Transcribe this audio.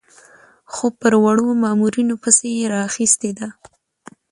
خو پر وړو مامورینو پسې یې راخیستې ده.